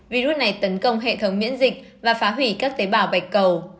virus này tấn công hệ thống miễn dịch và phá hủy các tế bào bạch cầu